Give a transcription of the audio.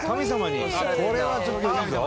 これはちょっといいぞ。